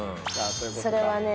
それはね。